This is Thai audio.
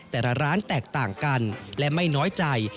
แต่ละร้านแตกต่างกันและไม่น้อยใจ